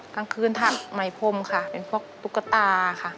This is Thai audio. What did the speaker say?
กลางคืนถักใหม่พรมค่ะเป็นพวกตุ๊กตาค่ะ